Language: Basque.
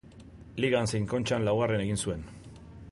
Ligan zein Kontxan laugarren egin zuen.